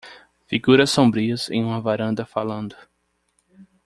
Figuras sombrias em uma varanda falando.